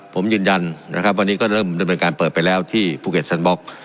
ผมยืนยันนะครับวันนี้ก็เริ่มดำเนินการเปิดไปแล้วที่ภูเก็ตแซนบล็อก